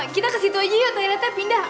kita ke situ aja yuk toiletnya pindah